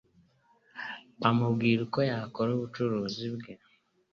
amubwira uko yakora ubucuruzi bwe